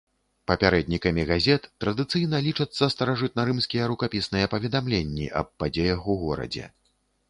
Папярэднікамі газет традыцыйна лічацца старажытнарымскія рукапісныя паведамленні аб падзеях у горадзе.